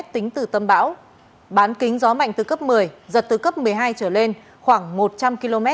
tính từ tâm bão bán kính gió mạnh từ cấp một mươi giật từ cấp một mươi hai trở lên khoảng một trăm linh km